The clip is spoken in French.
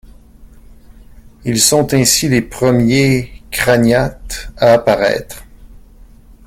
Ils sont ainsi les premiers crâniates à apparaître.